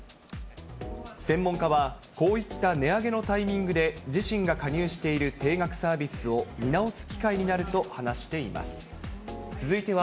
専門家は、こういった値上げのタイミングで自身が加入している定額サービスを見直す機会になると話しています。